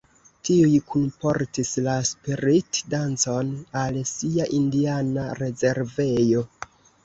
Tiuj kunportis la spirit-dancon al sia indiana rezervejo.